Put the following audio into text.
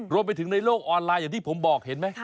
ในโลกออนไลน์อย่างที่ผมบอกเห็นไหม